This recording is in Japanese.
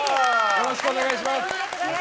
よろしくお願いします。